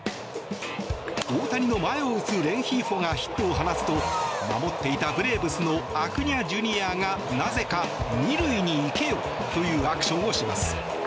大谷の前を打つレンヒーフォがヒットを放つと守っていたブレーブスのアクーニャＪｒ．がなぜか２塁に行けよというアクションをします。